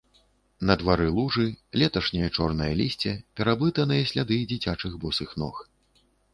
На двары лужы, леташняе чорнае лісце, пераблытаныя сляды дзіцячых босых ног.